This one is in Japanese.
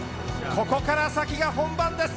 ここから先が本番です。